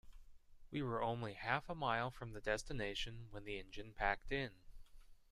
We were only half a mile from the destination when the engine packed in.